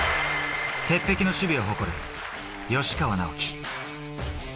鉄壁の守備を誇る吉川尚輝。